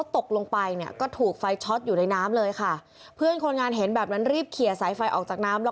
ตกลงไปในสระน้ำ